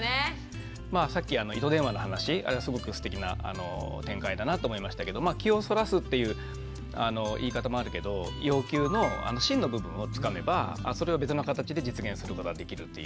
まあさっき糸電話の話あれはすごくすてきな展開だなと思いましたけど気をそらすっていう言い方もあるけど要求の芯の部分をつかめばそれは別の形で実現することはできるっていうことですよね。